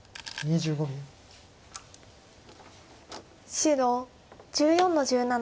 白１４の十七。